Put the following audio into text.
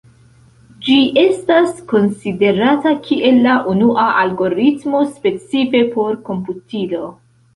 Ĝi estas konsiderata kiel la unua algoritmo specife por komputilo.